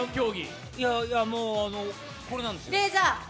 これなんですよ。